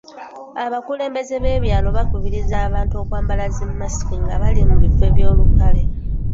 Abakulembeze b'ebyalo bakubirizza abantu okwambala zi masiki nga bali mu bifo eby'olukale.